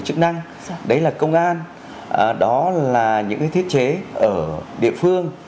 chức năng đấy là công an đó là những thiết chế ở địa phương